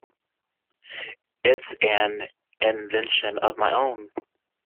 It’s an invention of my own.